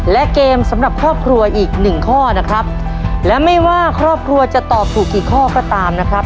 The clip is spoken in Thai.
และเกมสำหรับครอบครัวอีกหนึ่งข้อนะครับและไม่ว่าครอบครัวจะตอบถูกกี่ข้อก็ตามนะครับ